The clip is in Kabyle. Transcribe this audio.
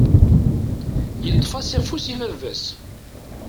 Yeṭṭef-as afus i baba-s.